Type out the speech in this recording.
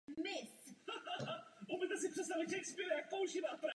Zavedení rybolovných plánů, které jsem již zmínil, je dalším opatřením.